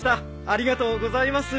ありがとうございます。